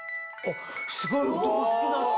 すごい音が大きくなった！